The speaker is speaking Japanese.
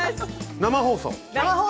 生放送？